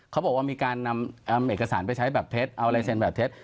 เขาบอกว่ามีการนำเอกสารไปใช้แบบเท็จเอาลายเซ็นแบบเท็จ